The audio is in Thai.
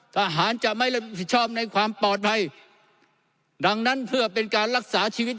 ทหารจะไม่รับผิดชอบในความปลอดภัยดังนั้นเพื่อเป็นการรักษาชีวิต